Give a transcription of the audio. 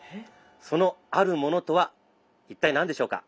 そのあるモノとは一体何でしょうか？